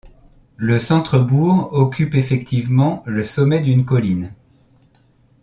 Le centre-bourg occupe effectivement le sommet d'une colline.